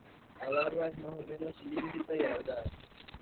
La larva es más o menos cilíndrica y alargada.